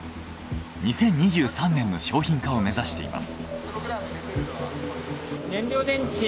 ２０２３年の商品化を目指しています。